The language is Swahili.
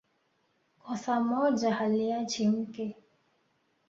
Kosa moja haliachi mke